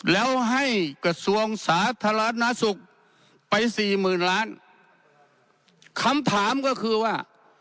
แล้วให้กระทรวงสาธารณสุขไปสี่หมื่นล้านคำถามก็คือว่า